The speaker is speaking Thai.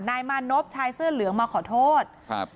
นายมานพชายเสื้อเหลืองมาขอโทษครับ